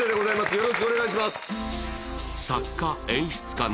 よろしくお願いします